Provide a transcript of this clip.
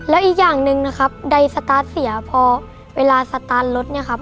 แล้วอีกอย่างหนึ่งนะครับใดสตาร์ทเสียพอเวลาสตาร์ทรถเนี่ยครับ